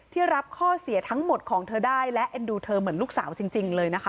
รับข้อเสียทั้งหมดของเธอได้และเอ็นดูเธอเหมือนลูกสาวจริงเลยนะคะ